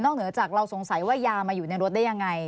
เหนือจากเราสงสัยว่ายามาอยู่ในรถได้ยังไง